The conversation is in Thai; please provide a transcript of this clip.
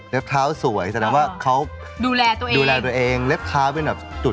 เล็บเท้าสำคัญอันดับหนึ่งเล็บมือล่ะ